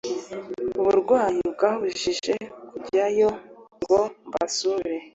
Uburwayi bwambujije kujyayo ngo mbasure.